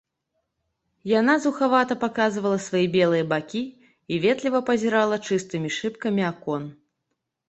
Яна зухавата паказвала свае белыя бакі і ветліва пазірала чыстымі шыбкамі акон.